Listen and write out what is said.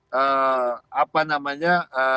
melakukan apa namanya